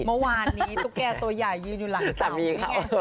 เมื่อวานนี้ตุ๊กแก่ตัวใหญ่ยืนอยู่หลังเสานี่ไง